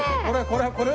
これこれ。